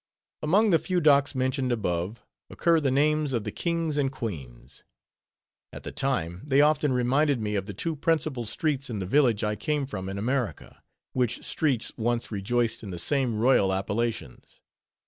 Among the few docks mentioned above, occur the names of the King's and Queens. At the time, they often reminded me of the two principal streets in the village I came from in America, which streets once rejoiced in the same royal appellations.